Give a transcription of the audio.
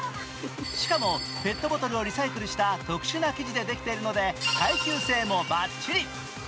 しかもペットボトルをリサイクルした特殊な生地でできているので耐久性もバッチリ。